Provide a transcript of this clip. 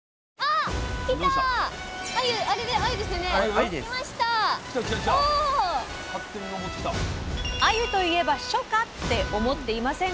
あゆといえば初夏って思っていませんか？